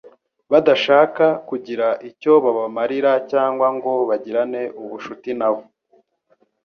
badashaka kugira icyo babamarira cyangwa ngo bagirane ubucuti nabo.